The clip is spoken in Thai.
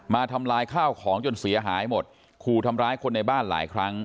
ทำลายข้าวของจนเสียหายหมดขู่ทำร้ายคนในบ้านหลายครั้ง